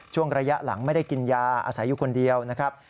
ช่วงระยะหลังไม่ได้กินยาอาศัยอยู่คนเดียวนะครับ